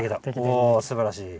おすばらしい。